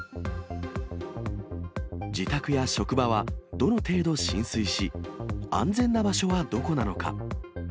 自宅や職場はどの程度浸水し、安全な場所はどこなのか。